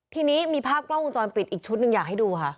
ทีนี้มีภาพกล้องวงจรปิดอีกชุดหนึ่งอยากให้ดูค่ะ